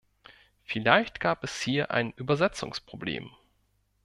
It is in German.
Vielleicht gab es hier ein Übersetzungsproblem.